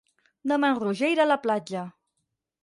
Demà en Roger irà a la platja.